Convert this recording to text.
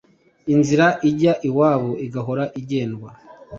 inzira ijya iwabo igahora igendwa